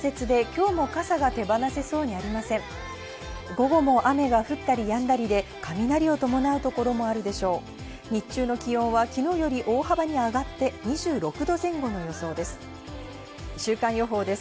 日中の気温はきのうより大幅に上がって２６度前後の予想です。